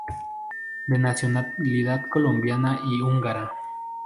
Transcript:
De nacionalidad colombiana y húngara.